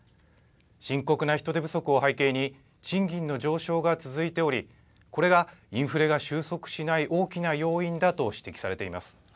深刻な人手不足を背景に、賃金の上昇が続いており、これがインフレが収束しない大きな要因だと指摘されています。